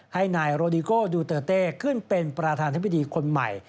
ให้นายโรดิโก้ดูเตอร์เต้ขึ้นเป็นประธานธิบดีคนใหม่